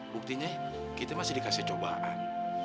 buktinya kita masih dikasih cobaan